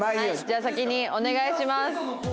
じゃあ先にお願いします。